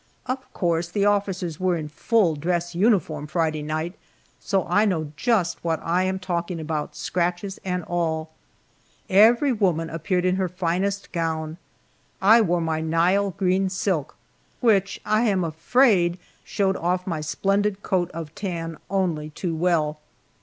Of course the officers were in full dress uniform Friday night, so I know just what I am talking about, scratches and all. Every woman appeared in her finest gown. I wore my nile green silk, which I am afraid showed off my splendid coat of tan only too well.